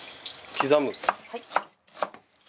刻む。